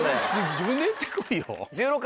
自分で行ってこいよ。